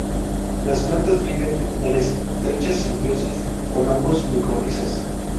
Las plantas viven en estrecha simbiosis con hongos micorrizas.